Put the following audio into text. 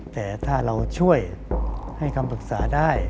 แต่ถ้าเราช่วยให้คำปรึกษาได้